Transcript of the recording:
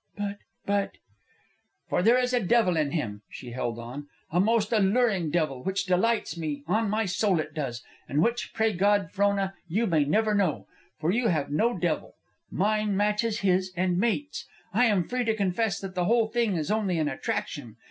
"But but " "For there is a devil in him," she held on, "a most alluring devil, which delights me, on my soul it does, and which, pray God, Frona, you may never know. For you have no devil; mine matches his and mates. I am free to confess that the whole thing is only an attraction.